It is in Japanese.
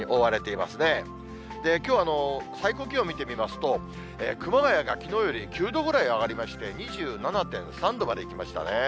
きょう、最高気温見てみますと、熊谷がきのうより９度ぐらい上がりまして、２７．３度までいきましたね。